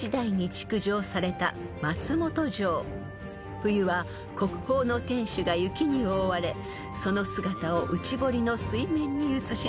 ［冬は国宝の天守が雪に覆われその姿を内堀の水面に映し出します］